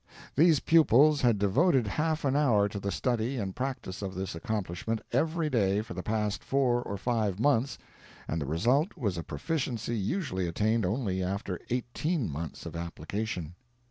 These pupils had devoted half an hour to the study and practice of this accomplishment every day for the past four or five months, and the result was a proficiency usually attained only after eighteen months of application.